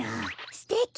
すてき！